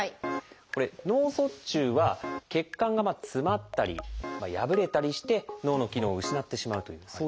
これ「脳卒中」は血管が詰まったり破れたりして脳の機能を失ってしまうというそういう病気です。